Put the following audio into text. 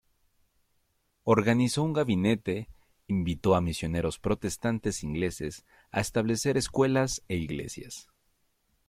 Organizó un gabinete, invitó a misioneros protestantes ingleses a establecer escuelas e iglesias.